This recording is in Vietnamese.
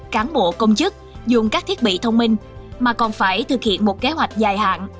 cán bộ công chức dùng các thiết bị thông minh mà còn phải thực hiện một kế hoạch dài hạn